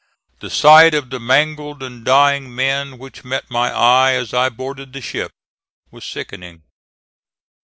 The sight of the mangled and dying men which met my eye as I boarded the ship was sickening.